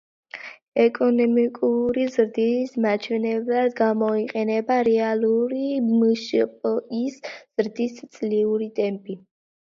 ეკონომიკური ზრდის მაჩვენებლად გამოიყენება რეალური მშპ-ის ზრდის წლიური ტემპი.